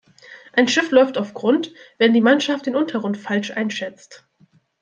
Ein Schiff läuft auf Grund, wenn die Mannschaft den Untergrund falsch einschätzt.